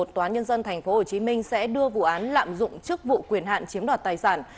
toán nhân dân tp hcm sẽ đưa vụ án lạm dụng trước vụ quyền hạn chiếm đoạt tài sản